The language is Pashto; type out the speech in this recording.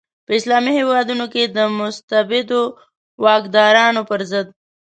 په اسلامي هیوادونو کې د مستبدو واکدارانو پر ضد.